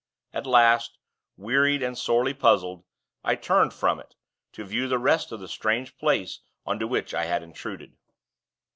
At last, wearied and sorely puzzled, I turned from it, to view the rest of the strange place on to which I had intruded.